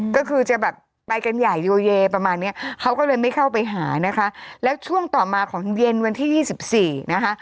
ก็คือจะแบบไปกันใหญ่โยเยประมาณเนี้ยเขาก็เลยไม่เข้าไปหานะคะแล้วช่วงต่อมาของเย็นวันที่ยี่สิบสี่นะคะ